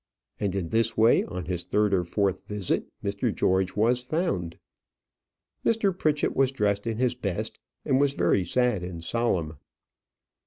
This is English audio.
And in this way, on his third or fourth visit, Mr. George was found. Mr. Pritchett was dressed in his best, and was very sad and solemn.